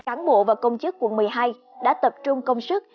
cán bộ và công chức quận một mươi hai đã tập trung công sức